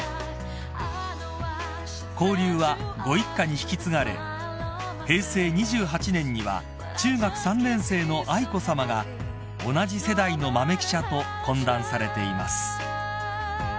［交流はご一家に引き継がれ平成２８年には中学３年生の愛子さまが同じ世代の豆記者と懇談されています］